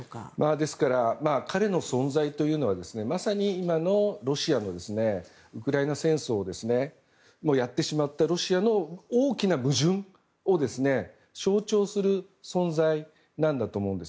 ですから彼の存在というのはまさに今のロシアのウクライナ戦争をやってしまったロシアの大きな矛盾を象徴する存在なんだと思うんです。